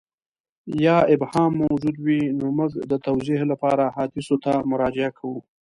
یا ابهام موجود وي نو موږ د توضیح لپاره احادیثو ته مراجعه کوو.